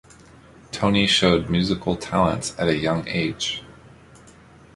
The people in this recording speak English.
Tony showed musical talents at a young age.